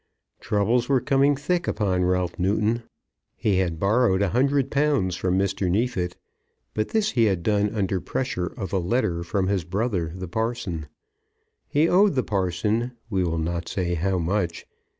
Troubles were coming thick upon Ralph Newton. He had borrowed a hundred pounds from Mr. Neefit, but this he had done under pressure of a letter from his brother the parson. He owed the parson, we will not say how much.